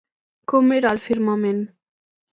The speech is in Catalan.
Com era el firmament?